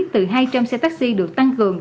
từ hai trăm linh xe taxi được tăng cường